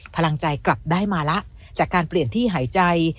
พลังใจกลับได้มาแล้วจากการเปลี่ยนที่หายใจ